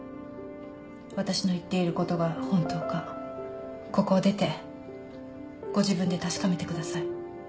私の言っていることが本当かここを出てご自分で確かめてください。